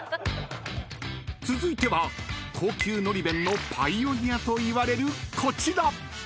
［続いては高級のり弁のパイオニアといわれるこちら］